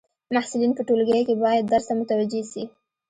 محصلین په ټولګی کي باید درس ته متوجي سي.